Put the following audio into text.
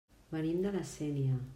Venim de La Sénia.